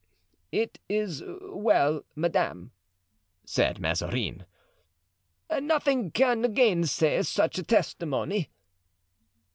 "It is well, madame," said Mazarin; "nothing can gainsay such testimony."